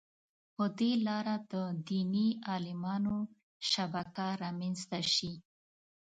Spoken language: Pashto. په دې لاره د دیني عالمانو شبکه رامنځته شي.